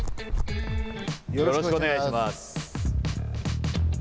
よろしくお願いします。